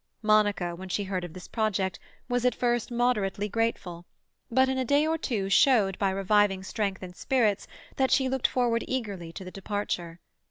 Monica, when she heard of this project, was at first moderately grateful, but in a day or two showed by reviving strength and spirits that she looked forward eagerly to the departure.